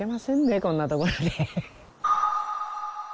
こんなところに。